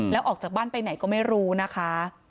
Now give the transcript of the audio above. แล้วออกจากบ้านไปไหนก็ไม่รู้นะคะ